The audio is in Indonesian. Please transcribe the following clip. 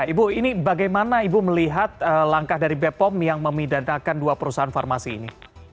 ibu ini bagaimana ibu melihat langkah dari bepom yang memidanakan dua perusahaan farmasi ini